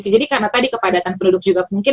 jadi karena tadi kepadatan penduduk juga mungkin